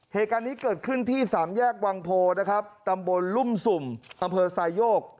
เหตุการณ์นี้เกิดขึ้นที่สามแยกวังโพนะครับตำบลลุ่มสุ่มอำเภอไซโยก